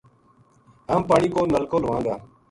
ہم پانی کو نلکو لواں گا